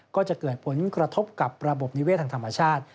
ก็จะเกิดผลกระทบกับระบบนิเวศทางธรรมชาติ